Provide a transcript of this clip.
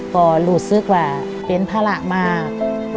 ก็หลุดซึกว่าเป็นพละมาก